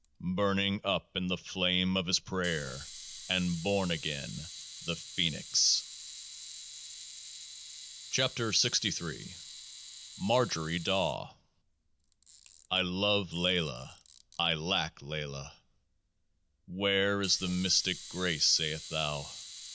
Burning up in the Flame of his Prayer, and born again — the Phoenix ! 79 KEOAAH SB MARGERY DAW I love LAYLAH. I lack LAYLAH. " Where is the Mystic Grace?" sayest thou?